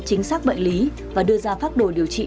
chính xác bệnh lý và đưa ra pháp đồ điều trị